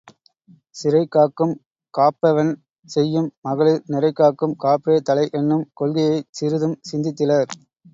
சிறை காக்கும் காப்பெவன் செய்யும் மகளிர் நிறைகாக்கும் காப்பே தலை என்னும் கொள்கையைச் சிறிதும் சிந்தித்திலர்.